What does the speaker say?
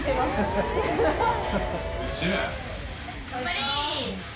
頑張れ！